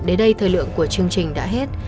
đến đây thời lượng của chương trình đã hết